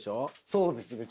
そうですね。